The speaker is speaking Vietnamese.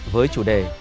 với chủ đề